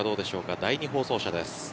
第２放送車です。